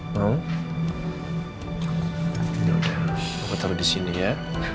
mama taruh di sini ya